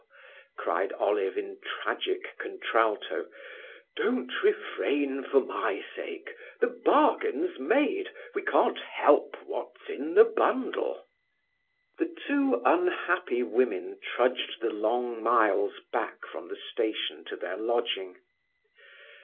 cried Olive in tragic contralto. "Don't refrain for my sake. The bargain's made; we can't help what's in the bundle." The two unhappy women trudged the long miles back from the station to their lodging.